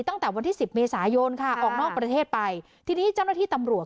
ตั้งแต่วันที่สิบเมษายนค่ะออกนอกประเทศไปทีนี้เจ้าหน้าที่ตำรวจ